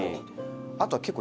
あとは結構焼く。